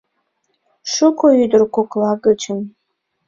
Шуко ӱдыр кокла гычын